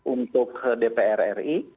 untuk dpr ri